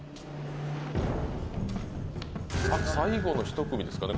最後の１組ですかね